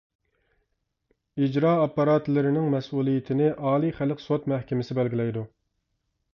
ئىجرا ئاپپاراتلىرىنىڭ مەسئۇلىيىتىنى ئالىي خەلق سوت مەھكىمىسى بەلگىلەيدۇ.